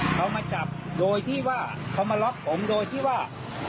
เขามาจับโดยที่ว่าเขามาล็อกผมโดยที่ว่า